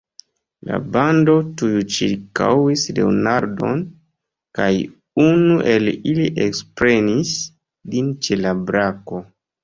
La bando tuj ĉirkaŭis Leonardon, kaj unu el ili ekprenis lin ĉe la brako.